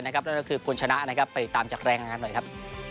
นั่นก็คือคุณชนะนะครับไปตามจากแรงงานหน่อยครับ